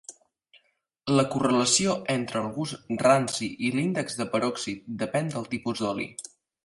La correlació entre el gust ranci i l'índex de peròxid depèn del tipus d'oli.